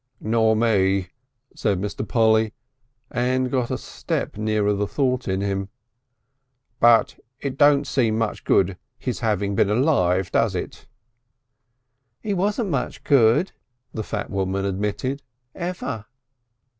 "Nor me," said Mr. Polly, and got a step nearer the thought in him. "But it don't seem much good his having been alive, does it?" "'E wasn't much good," the fat woman admitted. "Ever."